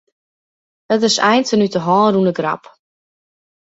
It is eins in út 'e hân rûne grap.